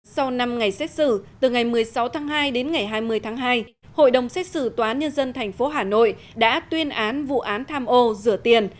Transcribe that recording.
sau năm ngày xét xử từ ngày một mươi sáu tháng hai đến ngày hai mươi tháng hai hội đồng xét xử tòa án nhân dân tp hà nội đã tuyên án vụ án tham ô rửa tiền